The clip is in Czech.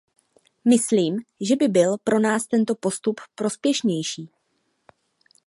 Myslím, že by byl pro nás tento postup prospěšnější.